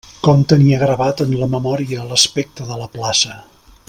Com tenia gravat en la memòria l'aspecte de la plaça!